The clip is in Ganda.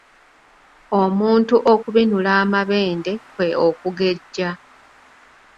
Omuntu okubinula amabende kwe okugejja.